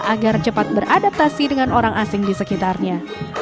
agar cepat beradaptasi dengan orang asing di sekitarnya